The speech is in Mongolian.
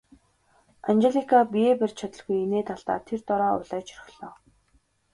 Анжелика биеэ барьж чадалгүй инээд алдаад тэр дороо улайж орхилоо.